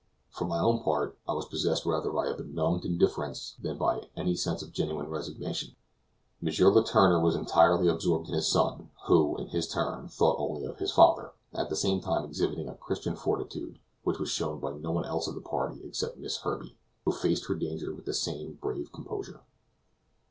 For my own part, I was possessed rather by a benumbed indifference than by any sense of genuine resignation. M. Letourneur was entirely absorbed in his son, who, in his turn, thought only of his father, at the same time exhibiting a Christian fortitude, which was shown by no one else of the party except Miss Herbey, who faced her danger with the same brave composure.